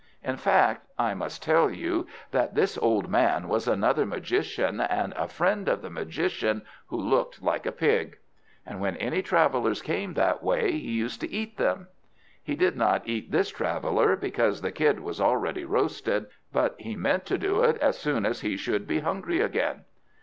In fact I must tell you, that this old man was another magician, and a friend of the magician who looked like a pig; and when any travellers came that way, he used to eat them. He did not eat this traveller, because the kid was ready roasted; but he meant to do it as soon as he should be hungry again.